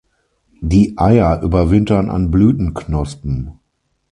Die Eier überwintern an Blütenknospen.